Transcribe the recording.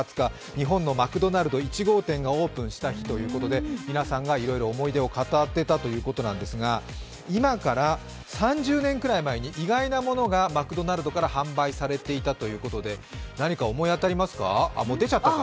日本のマクドナルド１号店がオープンした日ということで皆さんがいろいろ思い出を語っていたということなんですが、今から３０年くらい前に意外なものがマクドナルドから販売されていたということで、何か思い当たりますか。